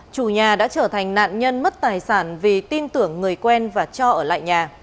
chủ nhà đã trở thành nạn nhân mất tài sản vì tin tưởng người quen và cho ở lại nhà